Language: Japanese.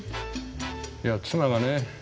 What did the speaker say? いや妻がね